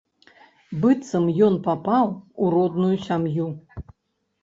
Быццам ён папаў у родную сям'ю.